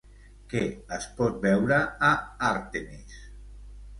Què es pot veure a Àrtemis?